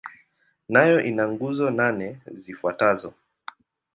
Nayo ina nguzo nane zifuatazo.